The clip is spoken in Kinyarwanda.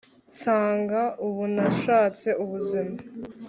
tsanga ubu nashatse ubuzima